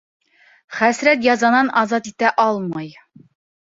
— Хәсрәт язанан азат итә алмай.